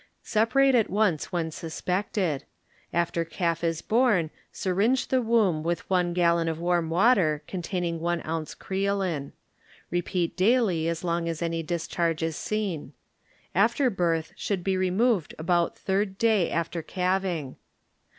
Separate at once when suspected j after calf is born syringe the womb with one gallon of warm water containing one ounce creolin. Repeat daily as long as any discharge is seen. Afterbirth should be removed about third day after calv ing.